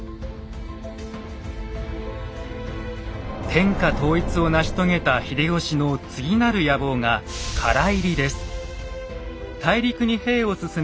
天下統一を成し遂げた秀吉の次なる野望が大陸に兵を進め